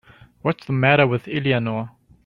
What's the matter with Eleanor?